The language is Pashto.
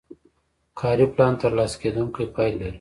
کاري پلان ترلاسه کیدونکې پایلې لري.